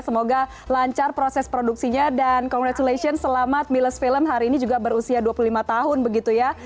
semoga lancar proses produksinya dan comratulation selamat miles film hari ini juga berusia dua puluh lima tahun begitu ya